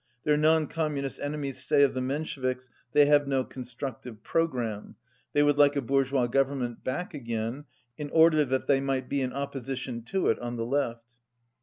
Their non Communist enemies say of the Mensheviks : "They have no constructive programme; they would like a bourgeois govern ment back again, in order that they might be in opposition to it, on the left."